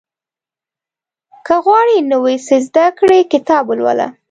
• که غواړې نوی څه زده کړې، کتاب ولوله.